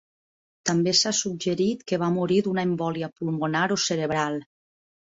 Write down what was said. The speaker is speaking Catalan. També s'ha suggerit que va morir d'una embòlia pulmonar o cerebral.